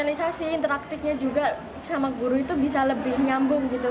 sosialisasi interaktifnya juga sama guru itu bisa lebih nyambung gitu